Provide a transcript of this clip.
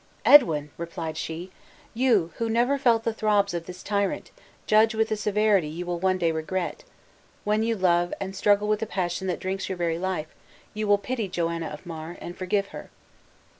"Edwin!" replied she, "you, who never felt the throbs of this tyrant, judge with a severity you will one day regret. When you love, and struggle with a passion that drinks your very life, you will pity Joanna of Mar, and forgive her!"